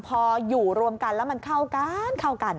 พออยู่รวมกันแล้วมันเข้ากัน